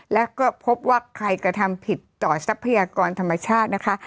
และก็พบว่าใครกระทำผิดต่อทรัพยากรธรรมชาตินะคะ